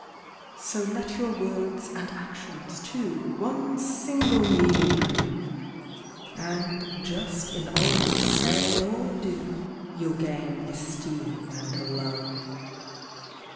So let your words and actions, too, one single meaning prove, And just in all you say or do, you'll gain esteem and love.